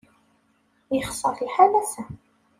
Yexṣer lḥal ass-a.